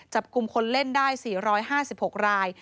จับกลุ่มคนเล่นได้๔๕๖ราย